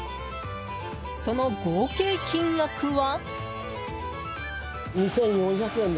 その合計金額は？